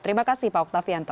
terima kasih pak oktavianto